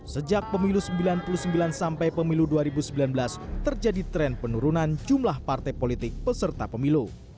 sejak pemilu seribu sembilan ratus sembilan puluh sembilan sampai pemilu dua ribu sembilan belas terjadi tren penurunan jumlah partai politik peserta pemilu